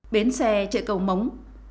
bến xe chạy cầu mống